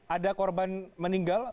ada korban meninggal